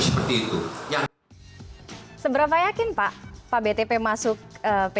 ini bapak sendiri yang yakin atau pak btp juga ikut yakin